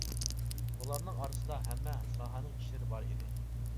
بۇلارنىڭ ئارىسىدا ھەممە ساھەنىڭ كىشىلىرى بار ئىدى.